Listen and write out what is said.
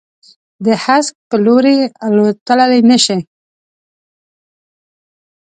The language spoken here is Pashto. د هسک په لوري، الوتللای نه شي